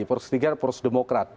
pors ketiga adalah pors demokrat